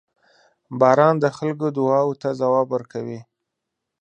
• باران د خلکو دعاوو ته ځواب ورکوي.